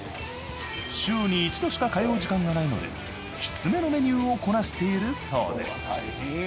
週に１度しか通う時間がないのできつめのメニューをこなしているそうです。